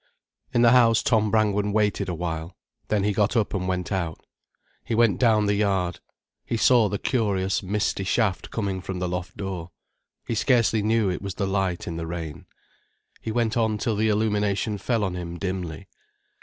In the house, Tom Brangwen waited a while. Then he got up and went out. He went down the yard. He saw the curious misty shaft coming from the loft door. He scarcely knew it was the light in the rain. He went on till the illumination fell on him dimly.